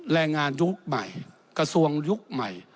แรงงานยุคใหม่กระทรวงยุคใหม่